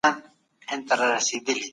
هغه څېړونکی په شعر پوهېده.